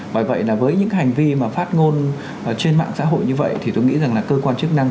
bởi vậy là với những hành vi mà phát ngôn trên mạng xã hội như vậy thì tôi nghĩ rằng là cơ quan chức năng